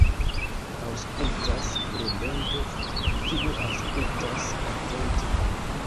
Aŭskultas prudente, kiu aŭskultas atente.